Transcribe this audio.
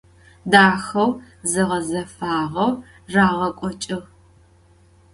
Daxeu, zeğezefağeu rağek'oç'ığ.